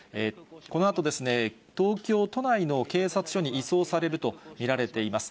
このあと、東京都内の警察署に移送されると見られています。